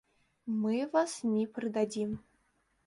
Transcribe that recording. Мы вас ні прыдадзім.